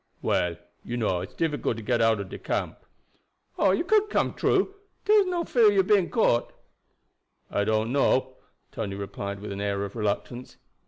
"Well, you know, it's difficult to get out ob camp." "Oh, you could get through. Dere is no fear about you being caught." "I don't know," Tony replied with an air of reluctance.